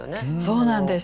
そうなんです。